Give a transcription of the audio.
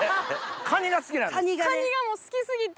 カニが好きなんですか？